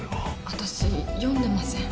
私読んでません